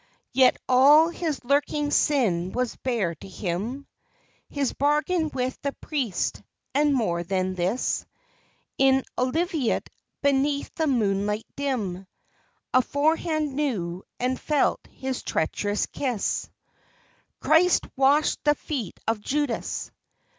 Yet all his lurking sin was bare to him, His bargain with the priest, and more than this, In Olivet, beneath the moonlight dim, Aforehand knew and felt his treacherous kiss. Christ washed the feet of Judas!